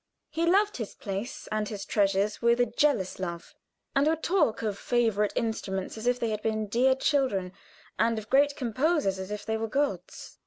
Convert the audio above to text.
He loved his place and his treasures with a jealous love, and would talk of favorite instruments as if they had been dear children, and of great composers as if they were gods.